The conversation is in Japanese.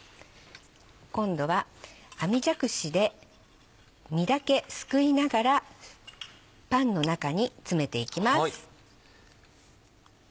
今度は網じゃくしで実だけすくいながらパンの中に詰めていきます。